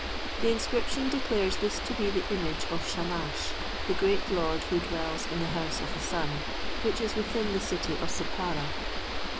The inscription declares this to be the image of Shamash, the great Lord who dwells in the House of the Sun which is within the city of Sippara.